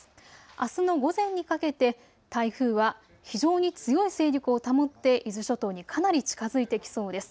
あすの午前にかけて台風は非常に強い勢力を保って伊豆諸島にかなり近づいてきそうです。